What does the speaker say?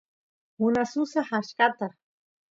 munasusaq achkata